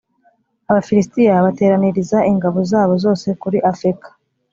abafilisitiya bateraniriza ingabo zabo zose kuri afeka